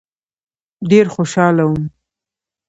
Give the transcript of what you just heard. ډېر خوشاله وم.